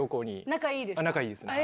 仲いいですか？